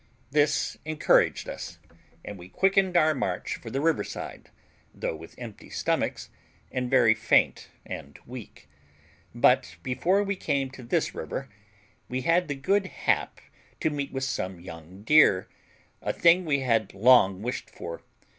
This encouraged us, and we quickened our march for the river side, though with empty stomachs, and very faint and weak; but before we came to this river we had the good hap to meet with some young deer, a thing we had long wished for.